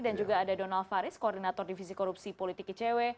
dan juga ada donald faris koordinator divisi korupsi politik icw